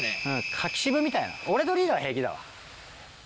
柿渋みたいな俺とリーダーは平気だ。